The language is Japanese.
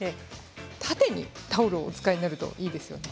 縦にタオルをお使いになるといいですよ。